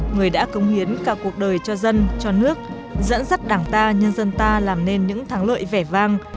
người đã cống hiến cả cuộc đời cho dân cho nước dẫn dắt đảng ta nhân dân ta làm nên những thắng lợi vẻ vang